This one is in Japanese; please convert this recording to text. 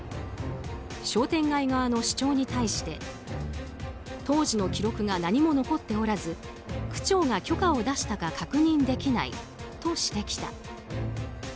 商店街側の主張に対して当時の記録が何も残っておらず区長が許可を出したか確認できないとしてきた。